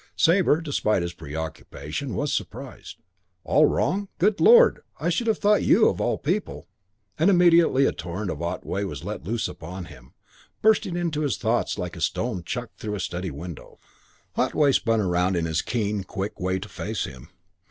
Sabre, despite his preoccupation, was surprised. "All wrong? Good lord, I should have thought you of all people " And immediately a torrent of Otway was let loose upon him, bursting into his thoughts like a stone chucked through a study window. Otway spun around in his keen, quick way to face him.